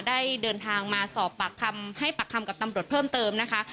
ได้เดินทางมาสอบปากคำให้ปากคำกับตำรวจเพิ่มเติมนะคะ